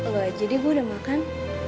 lo aja d gue udah makan